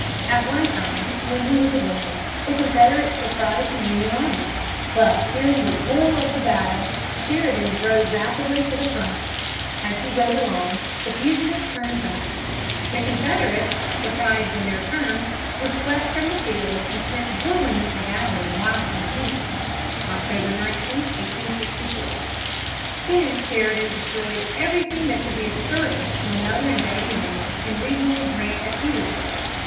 At one time, when he was away, the Confederates surprised the Union army. But, hearing the roar of the battle, Sheridan rode rapidly to the front. As he rode along, the fugitives turned back. The Confederates, surprised in their turn, were swept from the field and sent whirling up the Valley in wild confusion (October 19, 1864). Then Sheridan destroyed everything that could be of service to another invading army and rejoined Grant at Petersburg.